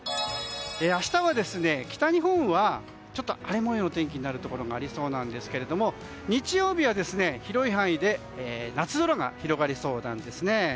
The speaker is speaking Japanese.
明日は、北日本は荒れ模様の天気になるところもありそうなんですけど日曜日は広い範囲で夏空が広がりそうなんですね。